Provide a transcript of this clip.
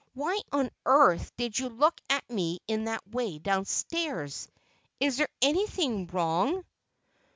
Why on earth did you look at me in that way downstairs? Is there anything wrong?"